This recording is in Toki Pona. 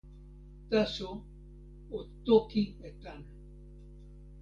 taso o toki e tan.